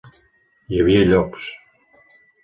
Hi havia llops.